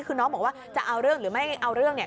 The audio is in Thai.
คือน้องบอกว่าจะเอาเรื่องหรือไม่เอาเรื่องเนี่ย